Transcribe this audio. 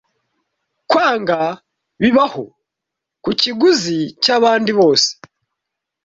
Kwanga, bibaho ku kiguzi cyabandi bose